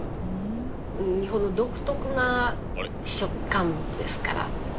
日本の独特な食感ですから。